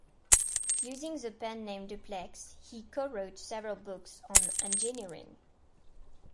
Using the pen name "Duplex" he co-wrote several books on engineering.